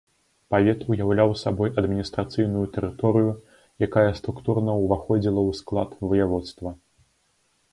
Павет уяўляў сабой адміністрацыйную тэрыторыю, якая структурна ўваходзіла ў склад ваяводства.